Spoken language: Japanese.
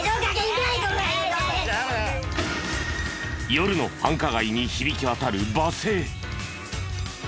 夜の繁華街に響き渡る罵声。